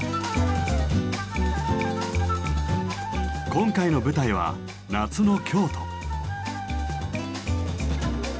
今回の舞台は夏の京都。